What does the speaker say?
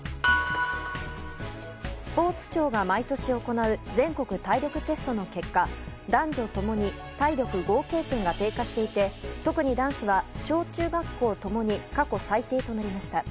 スポーツ庁が毎年行う全国体力テストの結果男女共に体力合計点が低下していて特に男子は小中学校共に過去最低となりました。